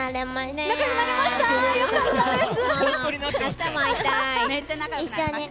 よかったです。